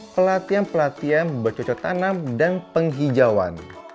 pelatihan pelatihan bercocok tanam dan penghijauan